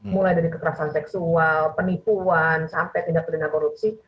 mulai dari kekerasan seksual penipuan sampai tindak pidana korupsi